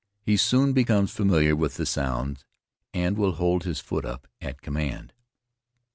He soon becomes familiar with the sounds, and will hold his foot up at command.